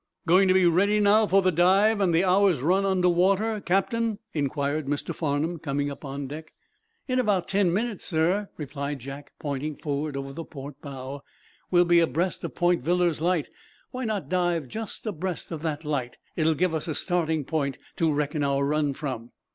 "Going to be ready, now, for the dive and the hour's run under water, captain?" inquired Mr. Farnum, coming up on deck. "In about ten minutes, sir," replied Jack, pointing forward over the port bow, "we'll be abreast of Point Villars light. Why not dive just abreast of that light? It will give us a starting point to reckon our run from."